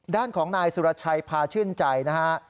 ด้านของนายสุรชัยพาชื่นใจนะฮะ